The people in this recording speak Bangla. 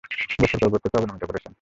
গোত্রের পর গোত্রকে অবনমিত করছেন।